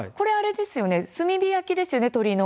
炭火焼きですよね、鶏の。